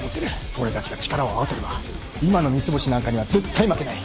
俺たちが力を合わせれば今の三ツ星なんかには絶対負けない。